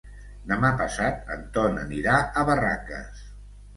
Demà passat en Ton anirà a Barraques.